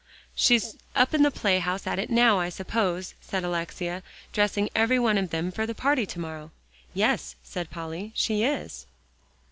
"She's up in the play house at it now, I suppose," said Alexia, "dressing every one of them for the party to morrow." "Yes," said Polly, "she is."